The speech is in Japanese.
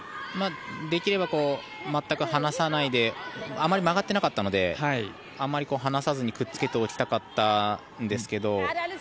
できれば全く離さないであまり曲がっていなかったのであまり離さずにくっつけておきたかったんですけど。